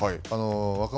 若元